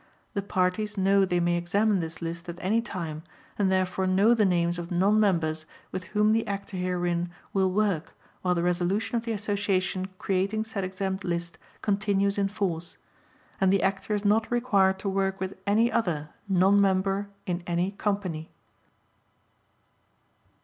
The parties know they may examine this list at any time and therefore know the names of non members with whom the actor herein will work while the resolution of the Association creating said exempt list continues in force; and the actor is not required to work with any other non member in any company.